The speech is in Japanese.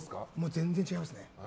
全然違いますね。